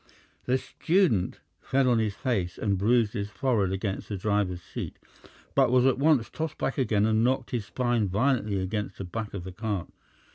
The student fell on his face and bruised his forehead against the driver's seat, but was at once tossed back again and knocked his spine violently against the back of the cart.